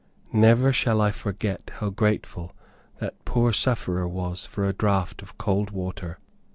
Never shall I forget how grateful that poor sufferer was for a draught of cold water.